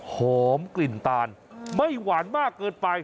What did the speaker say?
หอมกลิ่นตาลไม่หวานมากเกินไป